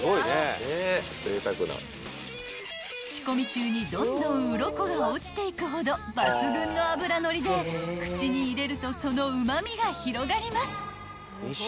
［仕込み中にどんどんうろこが落ちていくほど抜群の脂乗りで口に入れるとそのうま味が広がります］